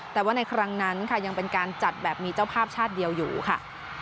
แต่ว่าในครั้งนั้นค่ะยังเป็นการจัดแบบมีเจ้าภาพชาติเดียวอยู่ค่ะ